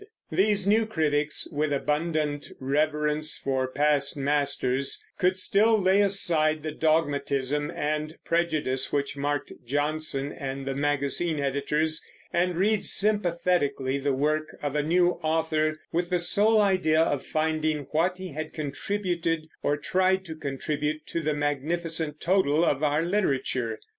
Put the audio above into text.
These new critics, with abundant reverence for past masters, could still lay aside the dogmatism and prejudice which marked Johnson and the magazine editors, and read sympathetically the work of a new author, with the sole idea of finding what he had contributed, or tried to contribute, to the magnificent total of our literature.